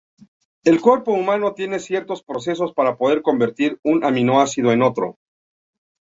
El cuerpo humano tiene ciertos procesos para poder convertir un aminoácido en otro.